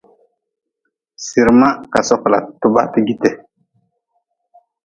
Sirma ka sokla tibaati jiti.